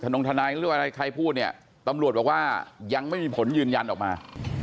ถ้าน้องทนายไม่รู้ใครพูดเนี่ยตำรวจบอกว่ายังไม่มีผลยืนยันออกมา